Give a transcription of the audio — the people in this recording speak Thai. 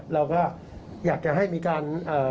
เราก็อยากจะให้มีการ